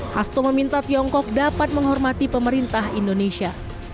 hasto meminta tiongkok dapat menghormati pemerintah indonesia